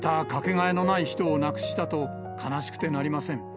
また掛けがえのない人を亡くしたと悲しくてなりません。